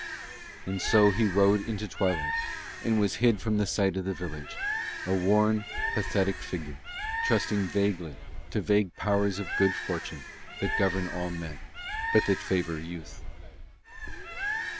And so he rode into twilight and was hid from the sight of the village, a worn, pathetic figure, trusting vaguely to vague powers of good fortune that govern all men, but that favour youth.